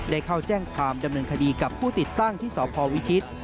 ได้เข้าแจ้งความดำเนินคดีกับผู้ติดตั้งที่สพวิชิต